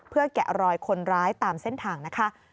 แกะรอยคนร้ายตามเส้นทางนะคะ